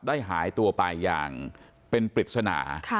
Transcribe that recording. หายตัวไปอย่างเป็นปริศนา